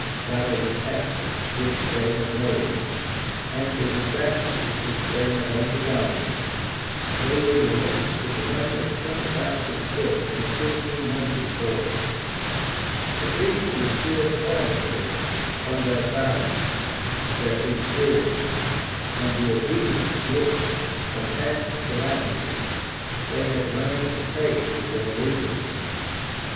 By the detachments which they had made, and the disasters which they had undergone, they were diminished to the number of twenty thousand foot and fifteen hundred horse; but these were still formidable from their valor, their experience, and the obedience which, from past calamities, they had learned to pay to their leaders.